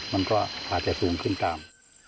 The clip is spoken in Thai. มันก็อาจจะสูงขึ้นตาม